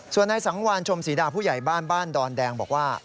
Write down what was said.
ส่วนนายสังวานชมศรีดาผู้ใหญ่บ้านบ้านดอนแดงบอกว่า